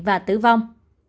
và tử vong